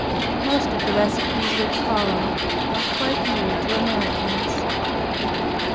Most of the recipes which follow are quite new to Americans. 25.